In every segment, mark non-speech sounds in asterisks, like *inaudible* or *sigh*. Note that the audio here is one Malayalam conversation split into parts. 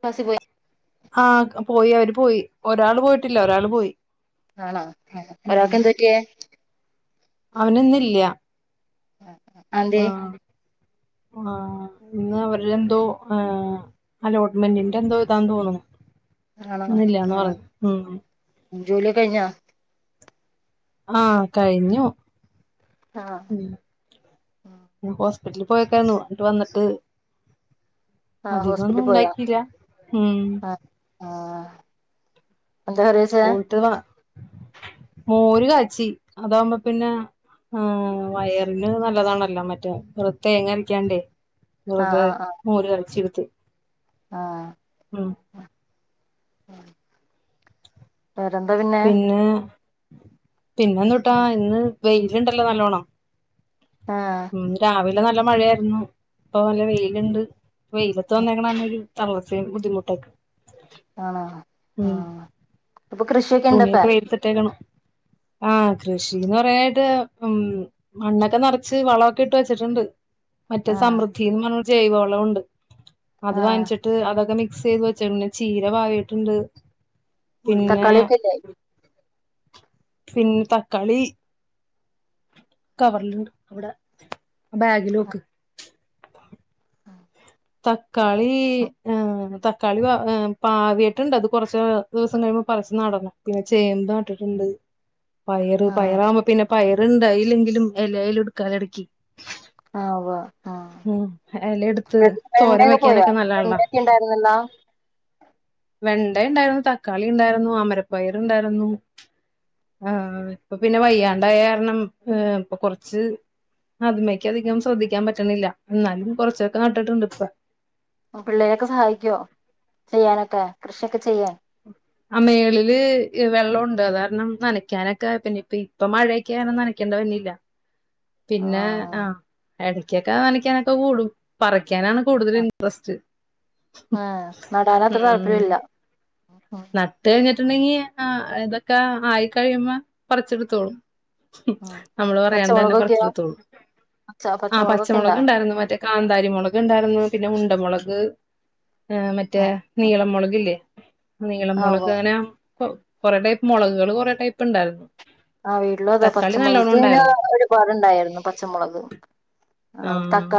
ക്ലാസ്സിൽ പോയി ആഹ് പോയി അവര് പോ പോയി ഒരാള് പോയിട്ടില്ല ഒരാള് പോയി ഉം ഒരാൾക്ക് എന്ത് പറ്റിയെ അവനിന്നില്ല അതന്തിയേ ആഹ് ആഹ് ഇന്ന് അവര്ടെ എന്തോ അലോട്മെന്റിന്റെ എന്തോ ഇതാന്ന് തോന്നുന്നു ആണോ ഇന്നില്ലാ ആ എന്നു പറഞ്ഞു ഉം ജോലിയൊക്കെ കഴിഞ്ഞാ ആഹ് കഴിഞ്ഞു ആ ഉം ഹോസ് വീട്ടില് പോയേക്കുവായിരുന്നു എന്നിട്ട് വന്നിട്ട് ആ അധികം ഒന്നും ഹോസ്പിറ്റലിൽ പോയോ ഉണ്ടാക്കില്ല ഉം ആ ആ എന്താ കറിവെച്ചേ പോയിട്ട് വ മോര് കാച്ചി അതാകുമ്പോ പിന്നെ ആഹ് വയറിന് നല്ലതാണല്ലോ മറ്റേ വെറും തേങ്ങ അരയ്ക്കാണ്ടേ അതെ മോര് കാച്ചിത് ആഹ് ഉം *unintelligible* വേറെന്താ പിന്നെ പിന്നെന്ന് ട്ടാ ഇന്ന് വെയിലുണ്ടല്ലോ നല്ലോണം ആ ഉം രാവില് വിടെ നല്ല മഴയായിരുന്നു ഇപ്പൊ നല്ല വെയിലുണ്ട് വെയിലത്ത് വന്നേക്കുന്ന തന്നൊരു തള്ള് സേ ബുദ്ധിമുട്ടൊക്കെ ആണാ ആ ഉം അപ്പൊ കൃഷ് തുണിയൊക്കെ വെയിലത്തിട്ടെക്ക ആഹ കൃഷിന്ന് പറയായിട്ട് ഉം മണ്ണൊക്കെ നിറച്ച് വളമൊക്കെ ഇട്ട് വെച്ചിട്ടുണ്ട് മറ്റേ ആ സമൃദ്ധിന്ന് പറഞ്ഞ് ജൈവവളമുണ്ട് അത് ആ വാങ്ങിച്ചിട്ട് അതൊക്കെ മിക്സ്‌ ക്സ് ചെയ്ത് വെച്ചേക്കണെ. ചീര പാകീട്ടിണ്ട്, പിന്നെ ണ്ടായി. പിന്ന് തക്കാളി *unintelligible* തക്കാളി ഏഹ് തക്കാളി ഏഹ് പാകിയിട്ടുണ്ട് അത്‌ കൊറച്ച് ദിവസം കഴിയുമ്പോ പറിച്ച് നടണം. പിന്നെ ചേമ്പ് നട്ടിട്ടുണ്ട്. പയറു ആ പായറാവുമ്പോ പിന്നെ - പയറു ഇണ്ടായില്ലെങ്കിലും യല എങ്കിലും എടുക്കവല്ലോ ഇടയ്ക്ക് ആ മ യെല എടുത്തു തോരൻ വെണ്ടയൊക്കെ വയ്ക്കാൻ പോയോ ഓക്കേ നല്ലതാണല്ലോ വെണ്ടയൊക്കെ ഉണ്ടായിരുന്നല്ലോ വെണ്ട ഉണ്ടായിരുന്നു തക്കാളി ഉണ്ടായിരുന്നു അമരപ്പയറു ണ്ടായിരുന്നു ആ ഇപ്പൊ പിന്നെ വയ്യാണ്ടായ കാരണം ഇപ്പൊ കൊറച്ച് അതിമേക്ക് അധികം ശ്രദ്ധിക്കാൻ പറ്റണില്ല എന്നാലും കൊറച്ചൊക്കെ നട്ടിട്ടുണ്ട് ഇപ്പ പിള്ളേരൊക്കെ സഹായിക്കുവോ ചെയ്യാനൊക്കെ കൃഷിയൊക്കെ ചെയ്യാൻ അ മേളില് വെള്ളമൊണ്ട് അതാരണം നനക്കാനൊക്കെ പിന്നെഇപ്പോ ഇപ്പൊ മഴയൊക്കെയുണ്ട് നനക്കേണ്ടി വന്നില്ല ആ പിന്നെ ആ ഇടയ്ക്കൊക്കെ നനക്കാനൊക്കെ കൂടും പറിക്കും കിക്കാനാണ് കൂടുതൽ ആ ഇൻട്രസ്റ്റ് ആഹ് നടാനത്ര ഉം താല്പര്യല്ല ഉം നട്ട് കഴിഞ്ഞിട്ട് ട്ടുണ്ടെങ്കി ഇതൊക്കെ ആയിക്കഴിയുമ്പോ പറിച്ചെടുത്തോളു ഉം നമ്മള് പറയാണ്ട് തന്നെ പറി പച്ചമുളകൊക്കെയോ ച്ചെടുത്തോളും പച്ച ആ പച്ചമുളകൊക്കെ ഇണ്ടാ പച്ചമുളക് ണ്ടായിരുന്നു മറ്റേ കാന്താരിമുളക് ണ്ടായിരുന്നു പിന്നെ ഉണ്ട മുളക് അത് ആ മറ്റേ ആഹ് നീളം മുളകില്ലേ നിങ്ങൾ ആഹ് മൊളക് ഉവ്വ് എങ്ങനാ പ്പം കൊറെ ടൈപ്പ് മൊളകുകൾ കൊറെ ടൈപ്പ് ഇണ്ടായിരുന്നു. വീട്ടിലും അതേ പച്ച മൊളക് പിന്നെ ഒര്പാട് ഇണ്ടായേര്ന്നു പച്ച മൊളക് ആ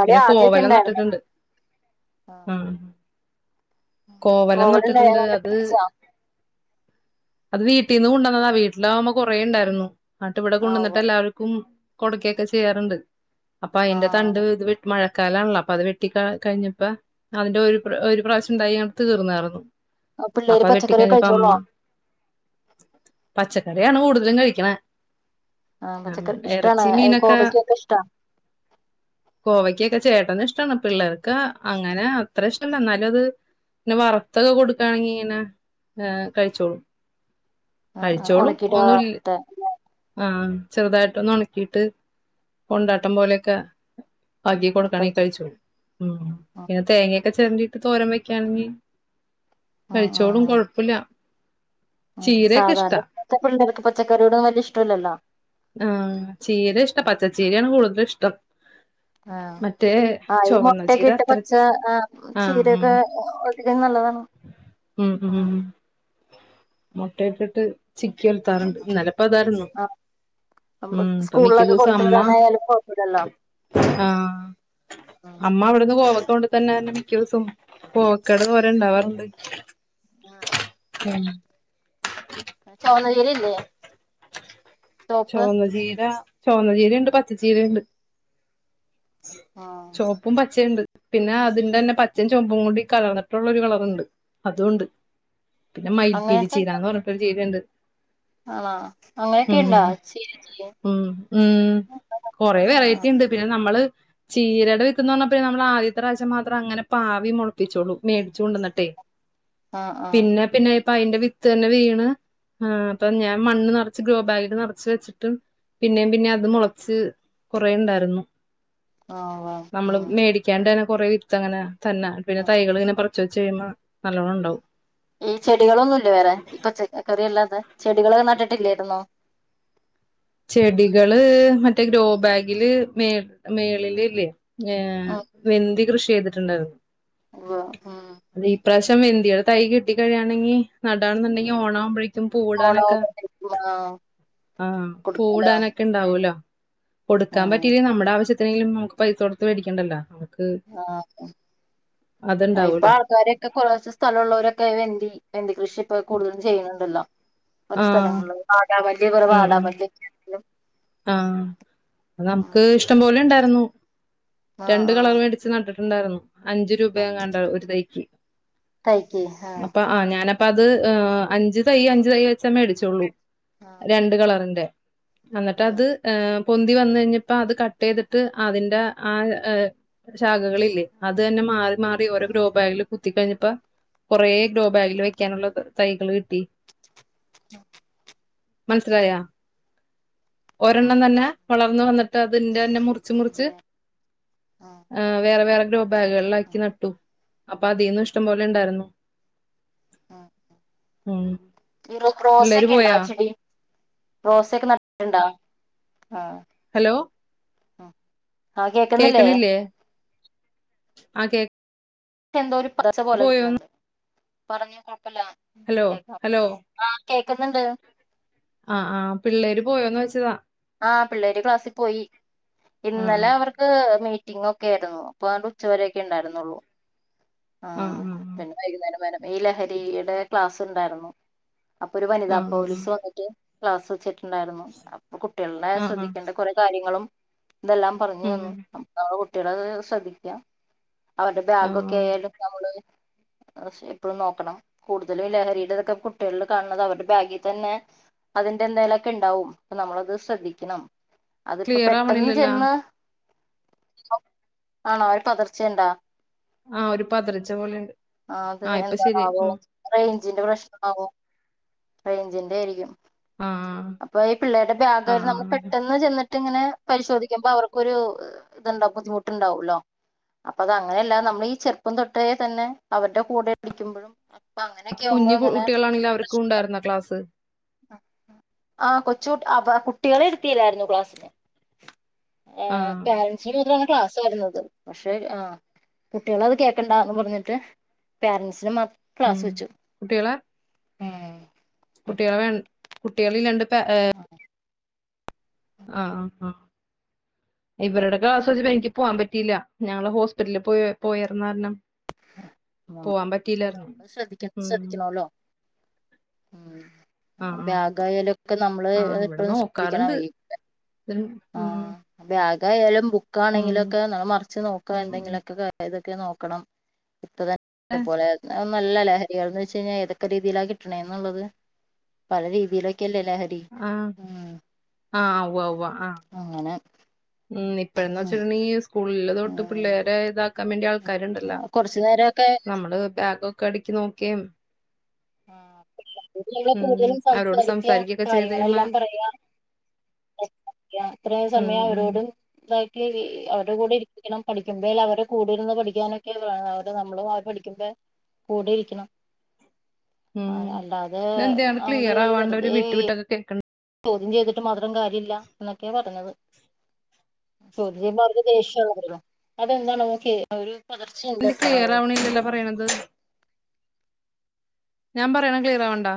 പിന്നെ കോവലം നട്ട്ട്ട്‌ണ്ട് ആഹ് ആ കോവലം നട്ടിട്ട്ണ്ട് കോവലുണ്ടായിരുന്നോണ്ട് അത് പിടിച്ചതാ അത് വീ വീട്ടീന്ന് കുണ്ടന്നതാ വീട്ടിലാവുമ്പോ കുറേ ഇണ്ടായിരുന്നു നട്ട് ഇവിടെ ആഹ് കൊണ്ടന്നിട്ട് ഉവ്വ് എല്ലാവർക്കും കൊട്ക്കെ ഒക്കെ ചെയ്യാർണ്ട് പ്പ അയിന്റെ തണ്ട് ആഹ് ഇത്‌ വിട്ട് മഴ കാലാണല്ലോ. അപ്പ അത് വെട്ടി ക കഴിഞ്ഞപ്പ അതിന്റെ ഒരു ഒരു പ്രാവശ്യം ഇണ്ടായി തീർന്നാർന്നു. പിള്ളേര് പച്ചക്കറി ഒക്കെ കഴിച്ചോളോ? പച്ചക്കറിയാണ് കൂടുതലും കഴിക്ക്ണെ. ആ പച്ചക്കറി ഇഷ്ടാണ് ഏ കോവയ്ക്കൊക്കെ ഇഷ്ടാ. കോവയ്ക്കൊക്കെ ചേട്ടന് ഇഷ്ടണ്. പിള്ളേർക്ക് അങ്ങനെ അത്ര ഇഷ്ടല്ല ഇന്നാലും അത്, നെ വർത്തൊക്കെ കൊടുക്കാണെങ്കി ഇങ്ങനെ ഏഹ് കഴിച്ചോളും. ആ ആ ഒണക്കിട്ട് വാർത്ത്ട്ട് ആഹ് ചെറുതായിട്ടൊന്ന് ഒണക്കിട്ട് കൊണ്ടാട്ടം പോലെയൊക്കെ ആക്കി കൊടുക്കാണെങ്കി കഴിച്ചു കഴിച്ചോളും. ഉം പിന്നെ തേങ്ങ ക്ക ചെരണ്ടീട്ട് തോരൻ വെക്കാണെങ്കി ആഹ് കഴിച്ചോളും കൊഴപ്പല്ല ആഹ് ചീരയൊക്കെ സാധാരണ ഇപ്പത്തെ പിള്ളേർക്ക് പച്ചക്കറിയോടും വല്ല്യ ഇഷ് ആ ചീര ഇഷ്ടാ പച്ചച്ചീര *unintelligible* കൂടുതൽ ഇഷ്ടം ആ മറ്റേ ആ ഈ ചൊവന്ന മുട്ടൊക്കെ ചീര ഇട്ട് അത്ര കൊച്ച ആഹ് ചീരയൊക്കെ ഉം *unintelligible* നല്ലതാണ് ഉം മുട്ടയിട്ട് ചിക്കി ഒലത്താർ ഇണ്ട് അപ്പ ഇതായിരുന്നു ആ നമ്മ ഉം ഇപ്പ മിക്ക സ്കൂളിലൊക്കെ ദിവസം കൊടുത്ത് അമ്മ വിടാനായാലും കൊഴപ്പല്ലല്ലോ ആ ഉം അമ്മ അവിടെന്ന് കോവാ തുകൊണ്ട് തന്നെ മിക്കസം പോക്ക *unintelligible* ഇണ്ടാവാർണ്ട് ആഹ് ചൊവന്ന ചീരയല്ലേ ചൊവന്ന ചീര ചുവന്ന ചീരയിണ്ട് പച്ച ചീരയിണ്ട് ചൊവപ്പും പച്ചയിണ്ട് പിന്നെ അതിന്റെ തന്നെ പച്ചയും ചൊവപ്പും കൂടി കലർന്നിട്ടുള്ള ഒരു കളറുണ്ട് അതും ഇണ്ട് പിന്നെ മയിൽ പീലി അങ്ങനത്തെ ചീരാന് പറഞ്ഞിട്ടൊരു ചീരണ്ട് ആണോ അങ്ങനെയൊക്കെ ഇണ്ടോ ഉം ചീരക്ക് ഉം ഊം കൊറേ ആ വെറൈറ്റിണ്ട് പിന്ന നമ്മള് ചീരടെ വിത്ത്ന് പറഞ്ഞ പിന്നെ നമ്മൾ ആദ്യത്തെ പ്രാവശ്യം മാത്രം അങ്ങനെ പാവി മൊളപിചൊള്ളു മേടിച് കൊണ്ടന്ട്ടൈ ആ ആ പിന്നെ പിന്നെ ഐന്റെ വിത്തെന്നെ വീണ് ആ പ്പൊഞാൻ മണ്ണ് നർ കൊർച് ഗ്രോബാഗിൽ നെർച്ച് വെച്ചിട്ട് പിന്നേം പിന്നേം അത് മൊളച്ച് കൊറേണ്ടാർന്നു. ആ ഉവ്വ് നമ്മൾ ഉം മേടിക്കാണ്ടേണ് കൊറേ വിത്തങ്ങനെ തന്ന പിന്നെ തൈകളിങ്ങനെ പറിച് വെച്ച്കഴിയുമ്പോൾ നല്ലോണം ണ്ടാവും. ഈ ചെടുകളൊന്നുല്ലേ വേറെ ഈ പച്ചക്കറിയല്ലാ ചെടികളൊന്നും നട്ടിട്ടില്ലേർനൊ ചെടികള് മറ്റേ ഗ്രോബാഗിൽ മേ മേളിലില്ലേ യേ വെന്തി കൃഷ് ചെയ്ത്ട്ട്ണ്ടത് വോ ഹ്മ് പ്രാവശ്യം വെന്തിടെ തൈ കിട്ടി കഴിയാണെങ്കി നടാംന്ണ്ടെങ്കി ഓണവുമ്പഴേ ഓണവുമ്പഴേക്കും കിട്ടുവോ കൊട് പൂവ്ടാനൊക്കെണ്ടാവോ ല്ലോ കൊടുക്കാൻ ഉം പറ്റീല്ലേലും നമ്മടെ ആവശ്യത്തിനേലും നമുക്ക് പൈസ കൊട്ത്ത് വേടിക്കേണ്ടല്ലോ ആഹ് ആ ഇപ്പൊ അതുണ്ടാവൂലോ ആൾക്കാരൊക്കെ കൊർച് സ്ഥലള്ളോരൊക്കേ വെന്തി വെന്തി കൃഷി പ്പൊ കൂടുതലും ചെയ്യ്ണത് ടെല്ല പല ആഹ് സ്ഥലങ്ങൾള്ള് വാടാ മല്ലി അതേ പോലെ ഉം വാടാ ഉം മല്ലിയൊക്കെ *inaudible* ആഹ് അതമ്മക്ക് ഇഷ്ടംപോലെ ണ്ടാ ന്നു ആഹ് രണ്ട് കളർ ആഹ് മേടിച് നട്ട് ണ്ടാർന്നു അഞ്ച് രൂപെങ്ങാണ്ട ഒരു തൈക്ക്‌ തൈക്ക് ഹാ ഞാനപ്പ ട്ടത് ആ അഞ്ച് തയ്യ് അഞ്ച് തയ്യ് വെച്ച മേടിചൊള്ളു. ആഹ് രണ്ട് കളറ്ന്റെ അന്നിട്ട് ഉവ്വ് അത് ഏഹ് പൊന്തി വന്ന് കഴിഞ്ഞപ്പ അത് കട്ട്‌ ചെയ്തിട്ട് അതിന്റ ആ അ ശാഖകളില്ലേ അതന്നെ മാറി മാറി ഓരോ ഗ്രോ ആഹ് ബാഗില് കുത്തികഴിഞ്ഞപ്പ കൊറേ ഗ്രോ ബാഗില് വെക്കാനൊള്ള ത തൈകള് കിട്ടി മനസ്സിലായ ഒരെണ്ണം തന്നെ വളർന്ന്‌ വന്നിട്ട് അതിന്റെന്നെ മുറിച്ച് മുറിച്ച് അതെ ആഹ് അ വേറെ വേറെ ബാഗ്കളിലാക്കി നട്ടു അപ്പ അതീന്ന് ഇഷ്ട്ടം പോലെ എണ്ടാരുന്നു അ റോ പിള്ളേര് റോസേക്കേണ്ട പോയാ ചെടി റോസേക്ക നട് എണ്ടാ ആ ഹലോ അ കേക്കണില്ലേ ആ കേക് ട്ടെന്തൊരു കുറേശ്ശേ പോലെ നിന്നണ്ട് പറഞ്ഞ് ക ഹലോ കേക്ക്ന്നെണ്ട് അ ആ പിള്ളേര് പോയോന്ന് ഓച്ചതാ ആഹ് പിള്ളേര് ക്ലാസ്സിപോയി ആ ഇന്നലെ അവർക്ക് മീറ്റ് റ്റിങ്ങൊക്കെ ആയിരുന്നു അപ്പ അത് ഉച്ചവരക്കെ എണ്ടാരുന്നുള്ളൂ ആ ആ ആഹ് പിന്നെ വൈകുന്നേരം വരെ നീലഹരീടെ ക്ലാസ്സ്‌ ഇണ്ടാരുന്നു അപ്പൊര് ആ വനിതാ പോലിസ് വന്നിട്ട് ക്ലാസ്സ് വെച്ചിട്ട് ഇണ്ടാരുന്നു അപ് കുട്ടികൾടെ ആ ആ ആ ശ്രെദ്ധിക്കേണ്ട കുറെ കാര്യ നിങ്ങളും ഇതെല്ലാം പറഞ്ഞു ഉം തന്നു അപ്പങ്ങള് കൊടു ട്ടിയളത് ശ്രദ്ധിക്ക്യ അവരുടെ ആ ബ്യാഗൊക്കെ ആയാലും നമ്മള് എപ്പോഴും നോക്കണം കൂടുതലും ഈ ലഹരിടെ ഇതൊക്കെ കുട്ടികളിൽ കാണുന്നത് അവരുടെ ബാഗിൽ തന്നെ അതിന്റെ എന്തേലും എക്കെ ഇണ്ടാകും പ്പ നമ്മള് അത് ശ്രദ്ധിക്കണം അതിപ്പ ക്ലിയർ പെട്ടന്ന് ആവണില്ലല്ലോ ചെന്ന് ആണോ ഒരു പതർച്ചേണ്ട ആ ഒരു പതറിച്ച പോലെയുണ്ട് ആ അതെ ഇപ്പൊ ശരിയായി എന്താണാവോ ഉം റെ റേഞ്ച്ൻ്റെ പ്രശ്നാവോ റേഞ്ച്ൻ്റെ ആയിരിക്കും ആ അപ്പോ ഈ പിള്ളേർടെ ഭ്രാന്ത് ആ ആ കാരണം നമ്മൾ പെട്ടെന്ന് ചെന്നിട്ട് അങ്ങനെ പരിശോധിക്കുമ്പോ അവർക്കൊരു ദ് ണ്ടാവും ബുദ്ധിമുട്ട്ണ്ടാവുല്ലോ അപ്പത് അങ്ങനെ അല്ല നമ്മൾ ഈ ചെറുപ്പം തൊട്ടേ തന്നെ അവരുടെ കൂടെ പിടിക്കുമ്പോഴും കുഞ്ഞി കുട്ടികളാണങ്കിൽ അവർക്കും ഉണ്ടായിരുന്നോ ക്ലാസ്സ് *unintelligible* ആ കൊച്ചുകുട്ടി അപ്പ കുട്ടികളെ ഇരുത്തില്ലായിരുന്നു ക്ലാസിൽ ആ ആ *unintelligible* ക്ലാസ്സായിരുന്നു അത് പക്ഷേ ആ കുട്ടികൾ അത് കേൾക്കണ്ടന്ന് പറഞ്ഞിട്ട് പേരൻ്റ്സിന മാത്രം ഉം കുട്ടികളെ- ഏ കുട്ടികളെ വേൺ കുട്ടികളില്ലാണ്ട് ബ്ബ ഏ *unintelligible* ആ ആ ഇവരടെ ക്ലാസ് വെച്ചിട്ട് എനിക്ക് പോവാൻ പറ്റില്ല ഞങ്ങള് ഹോസ്പിറ്റലി പോയ പോയിര് കാരണം നമ്മള് പോവാൻ പറ്റിയില്ലായിരുന്നു ഉം മ് ആ ആ ബാഗായീലും ഒക്കെ നമ്മള് ആ ഇവിടെ എപ്പഴും ശ്രദ്ധിക്കണം നോക്കാറുണ്ട് ഈ ഉം ആ ഉം ബാ ഏതായാലും ബൂ ഉം ക്കാണെങ്കിലും ഒക്കെ അത് മറച്ച് നോക്ക ഉം എന്തെങ്കിലും ഒക്കെ *unintelligible* നോക്കണം ഇപ്പതന്നെ പോലെ മ് നല്ല ലഹരിയാ എന്താവെച്ച് കഴിഞ്ഞ ഏതൊക്കെ രീതിയില കിട്ട്ണെ എന്നുള്ളത് പല രീതിയിലും ക്കല്ലേ ലഹരി ആഹ് ആഹ് അങ്ങനെ ഉം ഇപ്പഴ്ന്നെച്ചാ ഈ സ്കൂളില് തൊട്ട് പിള്ളേരെ ദാക്കാൻ മറ്റേ ആൾക്കാര്ണ്ടല്ലോ ഉം കൊറച്ചു നേരൊക്കെ നമ്മള് ബാഗൊക്കെ ടക്ക് നോക്കേം ഉം കൂടുതലും അവരോട് സംസാരിക്ക സംസാരിക്കൊക്കെ ചെയ്ത് കാര്യങ്ങൾ കഴിയുമ്പോ എല്ലാം പറയാ അത്രേം ഉം സമയം ഉം അവരോട് *unintelligible* അവരടെ കൂടെ ഇരിക്കണം പഠിക്കുമ്പയെല്ലാം അവരടെ കൂടെ ഇരുന്ന് പഠിക്കാനൊക്കെ *unintelligible* കൂടെ ഇരിക്കണം ഉം അല്ലാതെ ഇതെന്തേ നമ്മള് ക്ലിയർ ആവാണ്ട് ഒരു വെറുതെ വിട്ടുവിട്ട് ഒക്കെ കേൾക്ക ചോദ്യം ചെയ്തിട്ട് മാത്രം കാര്യല്ല ന്നൊക്കെ പറഞ്ഞത് *unintelligible* ദേഷ്യോള്ളപോലെ അതെന്താണാവോ കേ ന്റെ ക്ലീയറാവണില്ലല്ലോ പറയണത്. ഞാമ്പറയണ ക്ലിയറാവ്ൺണ്ടോ?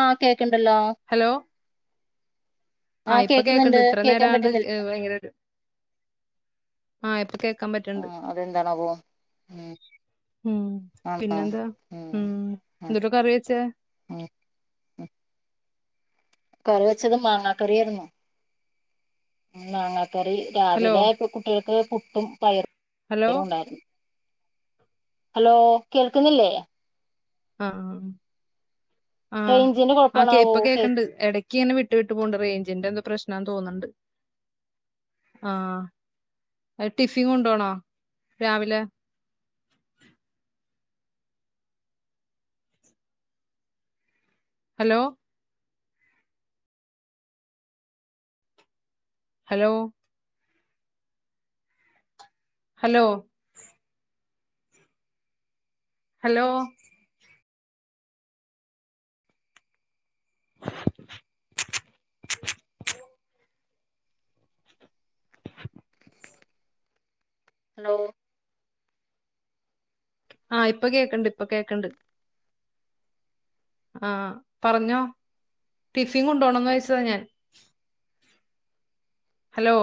ആ കേക്ക്ണ്ടല്ലോ. ആ ആഹ് ഇപ്പ കേക്ക്‌ണ്ട് കേക്കുന്നുണ്ട് ഇത്ര കേക്കാൻ നേരാണ്ട് പറ്റുന്നില്ല ഏ വയങ്കര ആ ഇപ്പ ക്കേക്കമ്പറ്റണ്‌ണ്ട് ആഹ് അതെന്താണാവോ ഉം ഉം ആഹ് പിന്നെന്താ ഉം ഉം എന്തുട്ടാ കറിവെച്ചെ? ഉം ഉം കറി വെച്ചത് മാങ്ങാകറിയിരുന്നു ഉം മാങ്ങാ കറി ഹലോ രാവിലെ കുട്ട്യാൾക്ക് പുട്ടും പയറും. ഹലോ ണ്ടായിരുന്നു ഹലോ കേൾക്കുന്നില്ലേ? ആഹ് ആ റേഞ്ചിന്റെ അ കുഴപ്പമാണാവോ ഇപ്പ കേക്ക്ണ്ട് എടക് ക്ക്ങ്ങനെ വിട്ട് വിട്ട് പോൺണ്ട് റേയ്ഞ്ചിന്റെ എന്തോ പ്രേശ്നാന്ന് തോന്ന്‌ണ്ട് ആ ടിഫിൻ കൊണ്ടോണോ രാവിലെ? Hello? Hello? Hello? Hello? *inaudible* *inaudible* Hello? ആ ഇപ്പ കേക്കൺണ്ട് ഇപ്പ കേക്കൺണ്ട്. ആ പറഞ്ഞോ ടിഫിൻ കൊണ്ടോണോന്നോയിച്ചതാ ഞാൻ. ഹലോ?